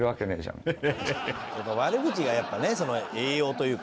悪口がやっぱね栄養というか。